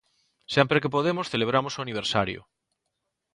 Sempre que podemos, celebramos o aniversario.